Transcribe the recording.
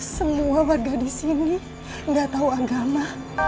semua warga di sini nggak tahu agama